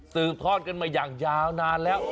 ทอดกันมาอย่างยาวนานแล้ว